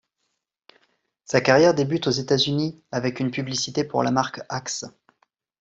Sa carrière débute aux États-Unis avec une publicité pour la marque Axe.